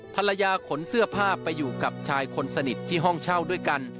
ภรรยาขนเสื้อผ้าไปอยู่กับชายคนสนิทที่ห้องเช่าด้วยกัน